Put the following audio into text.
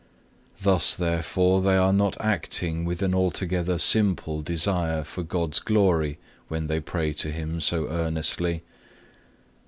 Thus therefore they are not acting with an altogether simple desire for God's glory when they pray to Him so earnestly.